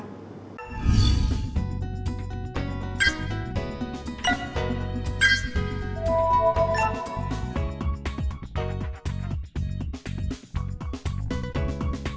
hẹn gặp lại